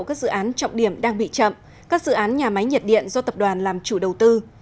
các dự án trọng điểm đang bị chậm các dự án nhà máy nhiệt điện do tập đoàn làm chủ đầu tư